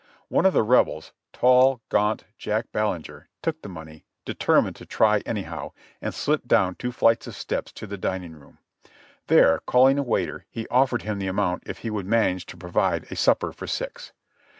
One of the Rebels, tall, gaunt Jack Ballenger, took the money, determined to try anyhow, and slipped down two flights of steps to the dining room; there, calling a waiter, he offered him the amount if he would manage to provide a supper for six.